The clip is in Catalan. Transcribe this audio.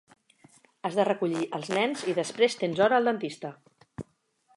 Has de recollir els nens i després tens hora al dentista.